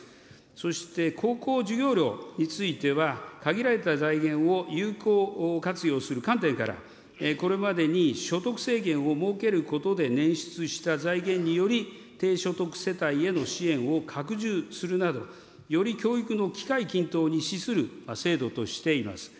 そして、高校授業料については、限られた財源を有効活用する観点から、これまでに所得制限を設けることでねん出した財源により、低所得世帯への支援を拡充するなど、より教育の機会均等に資する制度としています。